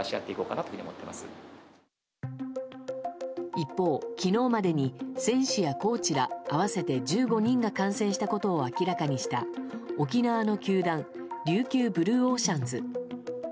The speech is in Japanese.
一方、昨日までに選手やコーチら合わせて１５人が感染したことを明らかにした沖縄の球団琉球ブルーオーシャンズ。